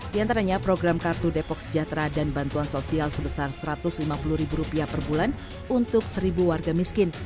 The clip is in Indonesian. di antaranya program kartu depok sejahtera dan bantuan sosial sebesar rp satu ratus lima puluh per bulan untuk seribu warga miskin